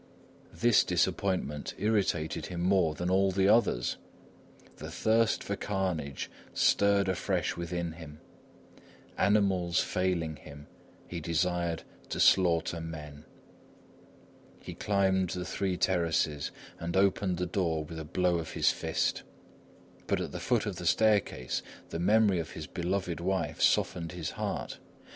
This disappointment irritated him more than all the others. The thirst for carnage stirred afresh within him; animals failing him, he desired to slaughter men. He climbed the three terraces and opened the door with a blow of his fist; but at the foot of the staircase, the memory of his beloved wife softened his heart.